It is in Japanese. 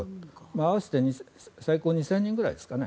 合わせて最高２０００人ぐらいですかね。